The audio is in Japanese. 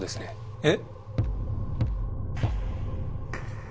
えっ？